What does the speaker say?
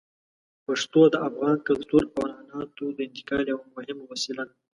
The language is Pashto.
پښتو د افغان کلتور او عنعناتو د انتقال یوه مهمه وسیله ده.